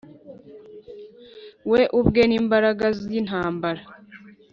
We ubwe n imbaraga z intambara